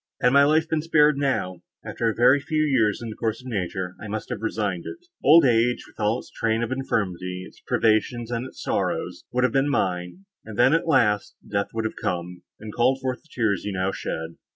Had my life been spared now, after a very few years, in the course of nature, I must have resigned it; old age, with all its train of infirmity, its privations and its sorrows, would have been mine; and then, at last, death would have come, and called forth the tears you now shed.